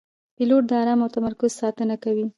پیلوټ د آرام او تمرکز ساتنه کوي.